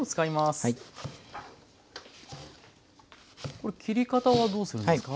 これ切り方はどうするんですか？